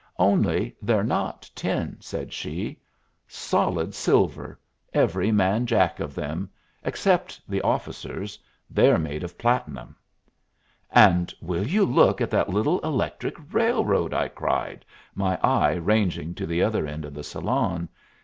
"Only they're not tin," said she. "Solid silver, every man jack of them except the officers they're made of platinum." "And will you look at that little electric railroad!" I cried, my eye ranging to the other end of the salon.